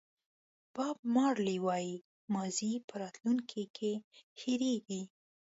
باب مارلې وایي ماضي په راتلونکي کې هېرېږي.